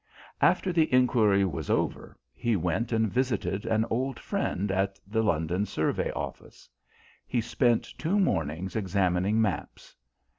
After the inquiry was over he went and visited an old friend at the London Survey Office. He spent two mornings examining maps.